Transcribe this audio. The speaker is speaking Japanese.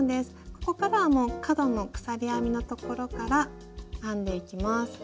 ここからは角の鎖編みのところから編んでいきます。